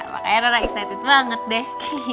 makanya rana excited banget deh